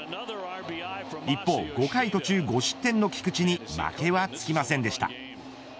一方、５回途中５失点の菊池に負けはつきませんでした。